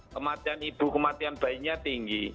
kematian ibu kematian bayinya tinggi